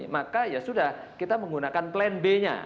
maka ya sudah kita menggunakan plan b nya